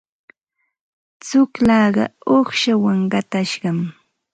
Tsullaaqa uuqshawan qatashqam.